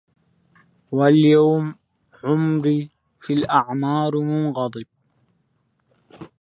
واليوم عمري في الأعمار منقضب